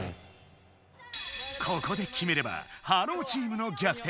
ここできめれば「ｈｅｌｌｏ，」チームの逆転。